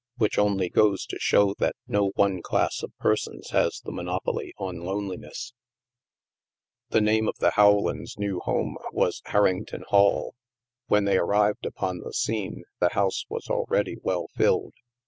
Which only goes to show that no one class of persons has the monopoly on loneliness. 2o6 THE MASK The name of the Howlands' new home was Har rington Hall. When they arrived upon the scene, the house was already well filled.